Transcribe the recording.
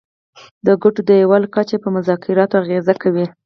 د ګټو د یووالي کچه په مذاکراتو اغیزه کوي